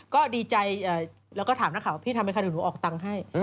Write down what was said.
ก็ดีใจแล้วก็ถามน่ะค่ะว่าพี่ทำให้ใครหนูออกตังให้